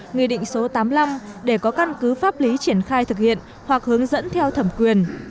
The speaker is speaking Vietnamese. nghị định số tám mươi năm để có căn cứ pháp lý triển khai thực hiện hoặc hướng dẫn theo thẩm quyền